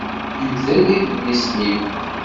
Mdel idlisen-im!